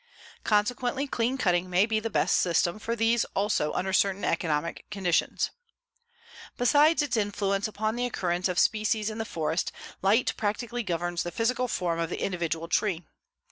Consequently clean cutting may be the best system for these also under certain economic conditions. Besides its influence upon the occurrence of species in the forest, light practically governs the physical form of the individual tree.